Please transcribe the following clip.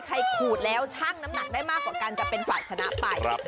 เพื่อส่งเสียงเซียกันสนุกตระน้าน